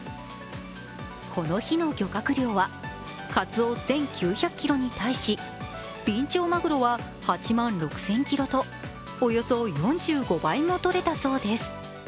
この日の漁獲量はかつお１９００ｋｇに対しビンチョウマグロは８万６０００ｋｇとおよそ４５倍もとれたそうです。